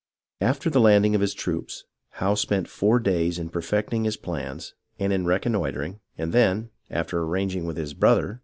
After the landing of his troops, Howe spent four days in perfecting his plans, and in reconnoitring, and then, after arranging with his brother.